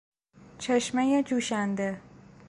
چشمهی جوشنده